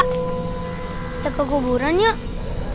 kita kekuburan yuk